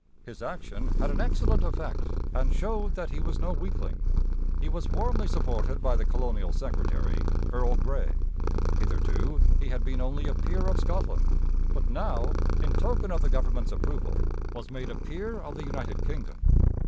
His action had an excellent effect and showed that he was no weakling. He was warmly supported by the colonial secretary, Earl Grey. Hitherto he had been only a peer of Scotland, but now, in token of the government's approval, was made a peer of the United Kingdom.